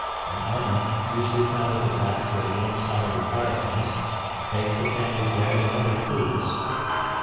An oven, usually found at the back or at one side of the fireplace, baked the family bread and other foods.